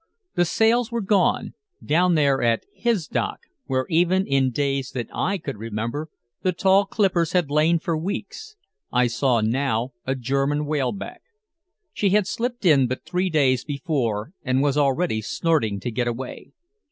The sails were gone. Down there at his dock, where even in days that I could remember the tall clippers had lain for weeks, I saw now a German whaleback. She had slipped in but three days before and was already snorting to get away.